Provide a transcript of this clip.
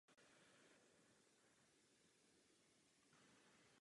Velmi děkuji a naposledy na shledanou.